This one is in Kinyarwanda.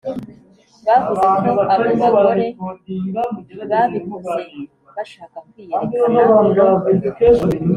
bavuze ko abo bagore babikoze bashaka kwiyerekana no